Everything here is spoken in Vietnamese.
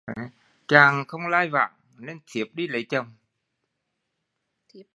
Chàng không lai vãng nên thiếp ra đi lấy chồng